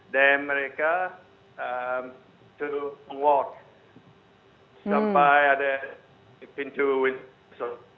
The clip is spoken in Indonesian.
dan mereka to walk sampai ada pintu windsor